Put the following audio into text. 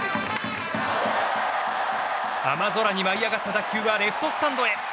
雨空に舞い上がった打球はレフトスタンドへ。